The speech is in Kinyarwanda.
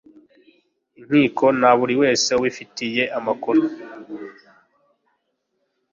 inkiko na buri wese ubifitiye amakuru